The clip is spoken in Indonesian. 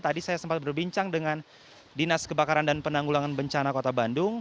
tadi saya sempat berbincang dengan dinas kebakaran dan penanggulangan bencana kota bandung